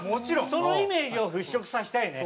そのイメージを払拭させたいね。